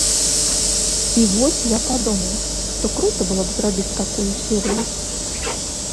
І вось я падумаў, што крута было б зрабіць такую серыю.